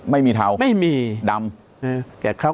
ไม่มีเทาไม่มีดำ